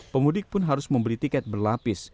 pemudik pun harus membeli tiket berlapis